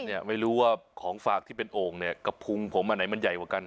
เนี่ยไม่รู้ว่าของฝากที่เป็นโอ่งเนี่ยกระพุงผมอันไหนมันใหญ่กว่ากัน